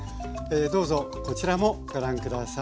どうぞこちらもご覧下さい。